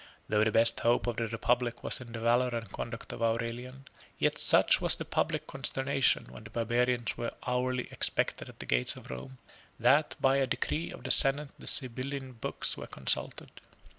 Though the best hope of the republic was in the valor and conduct of Aurelian, yet such was the public consternation, when the barbarians were hourly expected at the gates of Rome, that, by a decree of the senate the Sibylline books were consulted.